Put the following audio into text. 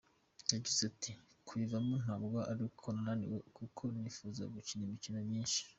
Yagize ati “Kuyivamo ntabwo ari uko naniwe kuko nifuza gukina imikino myinshi.